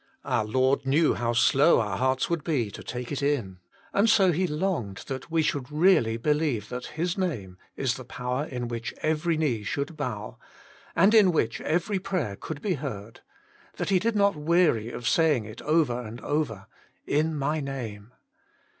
Our * Lord knew how slow our hearts would be to take it in, and He so longed that we should really believe that His Name is the power in which every knee should bow, and in which every prayer could be heard, that He did not weary of saying it over and over : In My Name